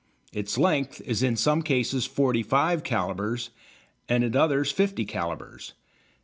Its length is in some cases 45 calibres and in others 50 calibres.